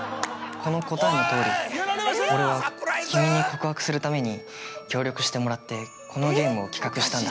◆この答えのとおり、俺は君に告白するために、協力してもらってこのゲームを企画したんだ。